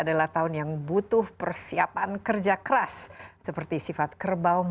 dan tahun ini kalau menurut chinese new year itu shounya itu adalah kerbau logam